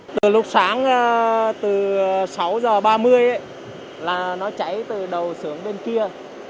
từ lúc sáng từ sáu h ba mươi là nó cháy từ đầu sướng bên kia